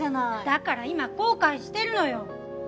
だから今後悔してるのよ。